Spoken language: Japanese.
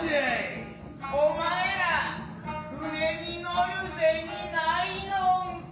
・お前ら舟に乗るゼニ無いのんか。